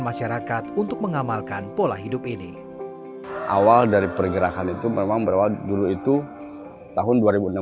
masyarakat untuk mengamalkan pola hidup ini awal dari pergerakan itu memang berwarna dulu itu tahun